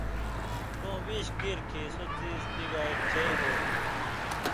تُوں ویش کِیریۡ کھیں سو څیز تی گائ چئی ہو تُھو۔